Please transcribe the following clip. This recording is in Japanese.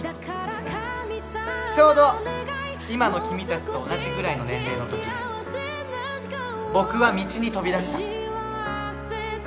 ちょうど今の君たちと同じぐらいの年齢の時僕は道に飛び出した。